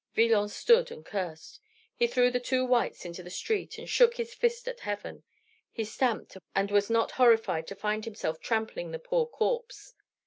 Villon stood and cursed; he threw the two whites into the street; he shook his fist at heaven; he stamped, and was not horrified to find himself trampling the poor corpse.